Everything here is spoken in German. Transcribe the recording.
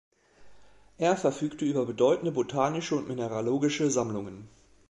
Er verfügte über bedeutende botanische und mineralogische Sammlungen.